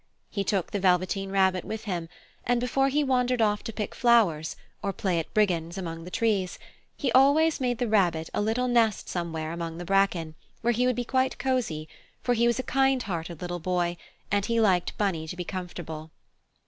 He took the Velveteen Rabbit with him, and before he wandered off to pick flowers, or play at brigands among the trees, he always made the Rabbit a little nest somewhere among the bracken, where he would be quite cosy, for he was a kind hearted little boy and he liked Bunny to be comfortable.